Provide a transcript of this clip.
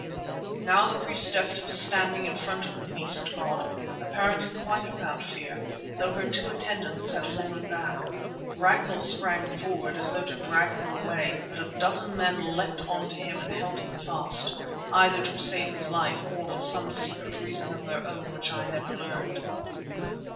Now the priestess was standing in front of the beast god, apparently quite without fear, though her two attendants had fallen back. Ragnall sprang forward as though to drag her away, but a dozen men leapt on to him and held him fast, either to save his life or for some secret reason of their own which I never learned.